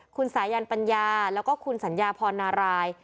คุณสายันปัญญาแล้วก็คุณสัญญาพรนาราย